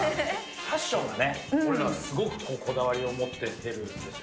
ファッションにね、俺らはすごくこだわりを持ってるんですよ。